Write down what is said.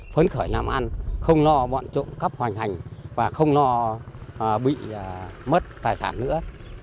phấn khởi làm ăn không lo bọn trộm cắp hoành hành và không lo bị mất tài sản nữa